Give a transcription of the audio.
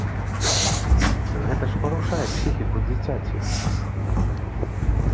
Гэта ж парушае псіхіку дзіцяці!